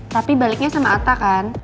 tapi baliknya sama ata kan